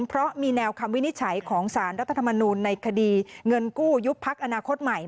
เพราะมีแนวคำวินิจฉัยของสารรัฐธรรมนูลในคดีเงินกู้ยุบพักอนาคตใหม่